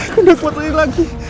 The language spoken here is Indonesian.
sudah kuat lagi